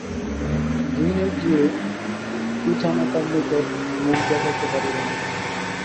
গৃহে গিয়া পিতা মাতার নিকট মুখ দেখাইতে পারিব না।